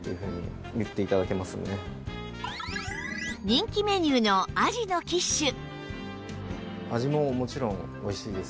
人気メニューのあじのキッシュ